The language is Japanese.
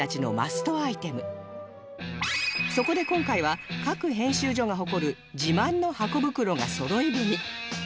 そこで今回は各編集所が誇る自慢のハコ袋がそろい踏み